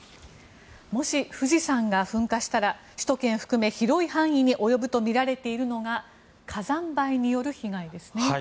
もし、富士山が噴火したら首都圏を含め広い範囲に及ぶとみられているのが火山灰による被害ですね。